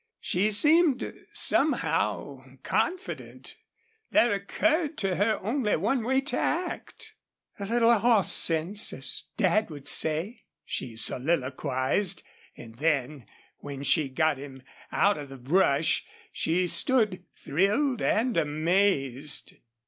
She seemed somehow confident. There occurred to her only one way to act. "A little horse sense, as Dad would say," she soliloquized, and then, when she got him out of the brush, she stood thrilled and amazed.